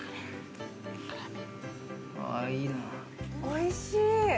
おいしい。